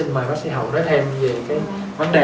bác sĩ hậu nói thêm về cái vấn đề